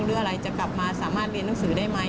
หรืออะไรจะกลับมาสามารถเรียนหนังสือได้ไหม